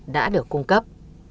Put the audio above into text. đã được cung cấp